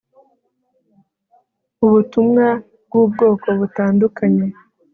ubutumwa bwubwoko butandukanye